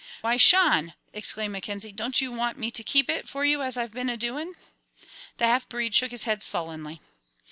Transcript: "Why, Chan!" exclaimed Mackenzie, "don't you want me to keep it for you as I've been a doing?" The half breed shook his head sullenly.